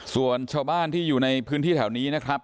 ส่วนชาวบ้านที่อยู่ในพื้นที่แถวนี้นะครับ